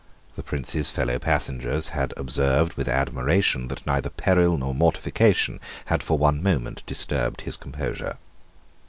The Prince's fellow passengers had observed with admiration that neither peril nor mortification had for one moment disturbed his composure.